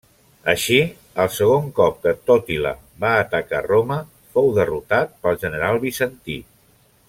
Així, el segon cop que Tòtila va atacar Roma, fou derrotat pel general bizantí.